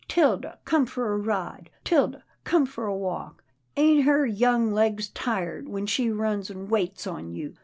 'Tilda come for a ride, 'Tilda come for a walk. Ain't her young legs tired when she runs an' waits on you.